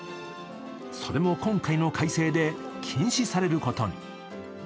それも今回の改正で禁止されることに。